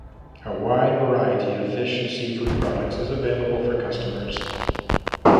A wide variety of fish and seafood products is available for customers.